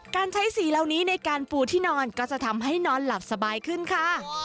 การใช้สีเหล่านี้ในการปูที่นอนก็จะทำให้นอนหลับสบายขึ้นค่ะ